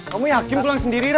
kamu yakin pulang sendiri